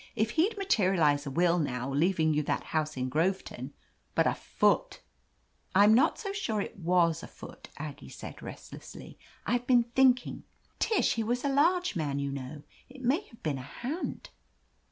"If he'd materialize a will, now, leaving you that house in Groveton ! But a foot !" "I'm not so sure it was a foot," Aggie said restlessly. "I've been thinking, Tish — ^he was a large man, you know. It may have been a hand."